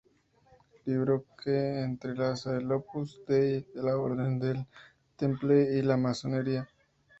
Libro que entrelaza el Opus Dei, la Orden del Temple y la Masonería.